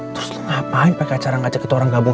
terus lu ngapain pake cara ngajakin orang gabung